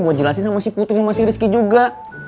gue jelasin sama si putri sama si rizky juga